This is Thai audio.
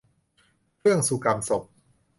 เครื่องสุกำศพ